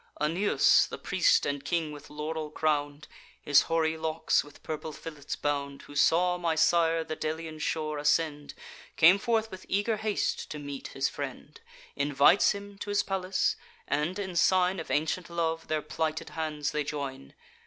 "Anius, the priest and king, with laurel crown'd, His hoary locks with purple fillets bound, Who saw my sire the Delian shore ascend, Came forth with eager haste to meet his friend; Invites him to his palace; and, in sign Of ancient love, their plighted hands they join.